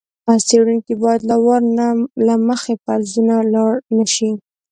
څېړونکی باید له وار له مخکې فرضونو لاړ نه شي.